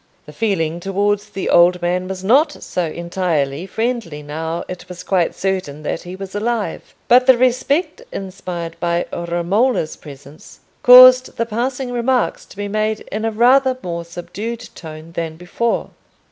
The feeling towards the old man was not so entirely friendly now it was quite certain that he was alive, but the respect inspired by Romola's presence caused the passing remarks to be made in a rather more subdued tone than before.